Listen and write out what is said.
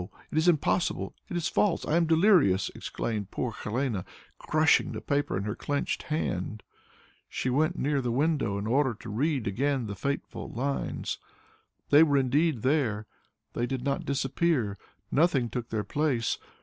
It is impossible! It is false! I am delirious!" exclaimed poor Helene, crushing the paper in her clenched hand. She went near the window in order to read again the fatal lines. They were indeed there; they did not disappear! Nothing took their place.